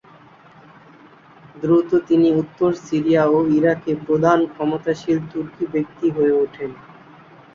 দ্রুত তিনি উত্তর সিরিয়া ও ইরাকে প্রধান ক্ষমতাশালী তুর্কি ব্যক্তি হয়ে উঠেন।